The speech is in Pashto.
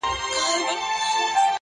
• هغه دي مړه سي زموږ نه دي په كار؛